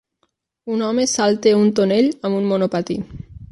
Un home salta un tonell amb un monopatí.